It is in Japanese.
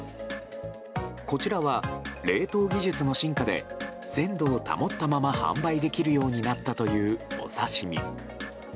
こちらは冷凍技術の進化で鮮度を保ったまま販売できるようになったというお刺し身。